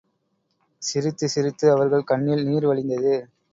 சிரித்துச் சிரித்து அவர்கள் கண்ணில் நீர் வழிந்தது.